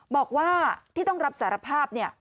บอกว่าที่ต้องรับสารภาพเนี่ย